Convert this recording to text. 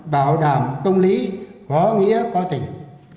bảo đảm công lý có nghĩa có tỉnh